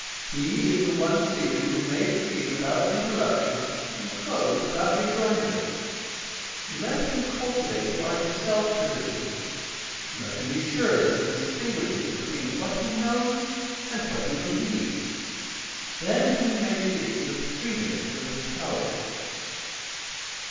He is the one speaker who may proceed without interruption and close without rejoinder. Let him cultivate the art of self criticism. Let him be sure that he distinguishes between what he knows and what he believes. Then he may speak with freedom and with power.